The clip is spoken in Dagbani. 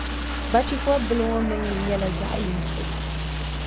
Bachikɔbili ŋɔ mini li nyɛla zaɣʼ yinsi.